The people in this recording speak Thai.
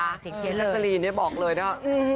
ซักจนะลีนนี่บอกเลยนะคะ